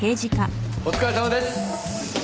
お疲れさまです！